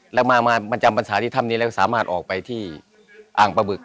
แล้วมาประจำปัญหาที่ถ้ำนี้แล้วสามารถออกไปที่อ่างปลาบึก